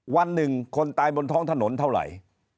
วันหนึ่งคนตายบนท้องถนนเท่าไหร่